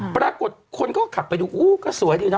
ปรากฏคนก็ขับไปดูอู้ก็สวยดีนะ